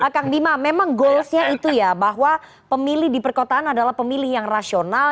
kang bima memang goalsnya itu ya bahwa pemilih di perkotaan adalah pemilih yang rasional